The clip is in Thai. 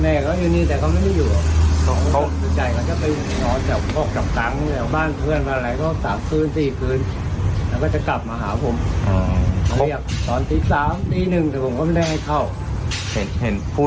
ไม่ไกลบ้านแม่เค้าอยู่นี่แต่เค้าไม่ได้อยู่